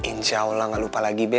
insya allah gak lupa lagi be